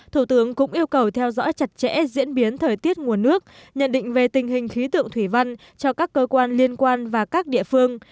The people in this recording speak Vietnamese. thủ tướng cũng yêu cầu theo dõi chặt chẽ diễn biến thời tiết nguồn nước nhận định về tình hình khí tượng thủy văn cho các cơ quan liên quan và các địa phương